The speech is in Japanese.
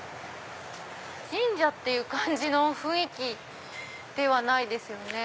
神社っていう感じの雰囲気ではないですよね。